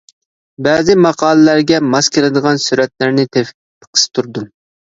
بەزى ماقالىلەرگە ماس كېلىدىغان سۈرەتلەرنى تېپىپ قىستۇردۇم.